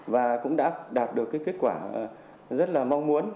và cũng đã đạt được cái kết quả rất là mong muốn